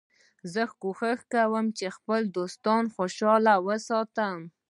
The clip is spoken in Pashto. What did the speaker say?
زه کوښښ کوم چي خپل دوستان خوشحاله وساتم.